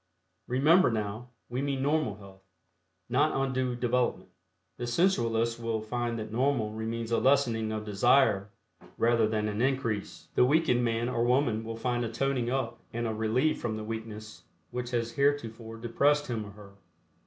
Remember, now, we mean normal health, not undue development. The sensualist will find that normal means a lessening of desire rather than an increase; the weakened man or woman will find a toning up and a relief from the weakness which has heretofore depressed him or her.